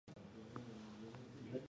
د بدخشان یونلیک په یو ښکلي بیت پیل شوی دی.